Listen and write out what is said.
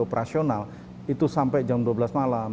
operasional itu sampai jam dua belas malam